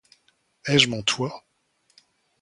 Ai-je mon toit?